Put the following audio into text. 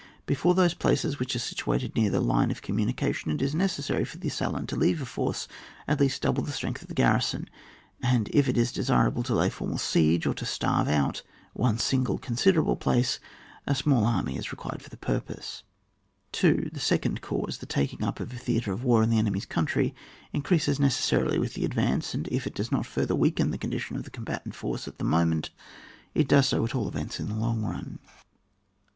Before those places which are situated near the line of com munication, it is necessary for the assail ant to leave a force at least double the strength of the garrison ; and if it is desi rable to lay formal siege to, or to starve out, one single considerable plaoe, a small army is required for the purpose. 2. The second cause, the taking up a theatre of war in the enemy's country, increases necessarily with the advance, and if it does not further weaken the condition of the combatant force at the moment, it does so at all events in the long run.